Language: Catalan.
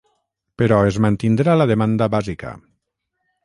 Però es mantindrà la demanda bàsica.